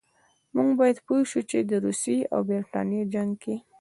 موږ باید پوه شو چې د روسیې او برټانیې جنګ کې.